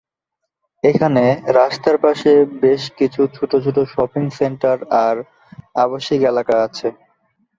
এখানে রাস্তার পাশে বেশ কিছু ছোট ছোট শপিং সেন্টার আর আবাসিক এলাকা আছে।